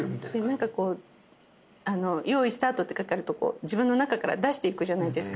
何かこう「よーいスタート」ってかかると自分の中から出していくじゃないですか。